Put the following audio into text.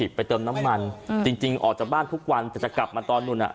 ลี้๑๐ไปเติมน้ำมันจริงออกจากบ้านทุกควรจะกลับมาตอนนุ่นน่ะ